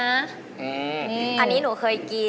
อันนี้หนูเคยกิน